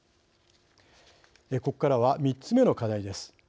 ここからは、３つ目の課題です。